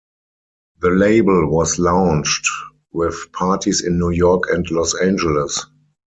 The label was launched with parties in New York and Los Angeles.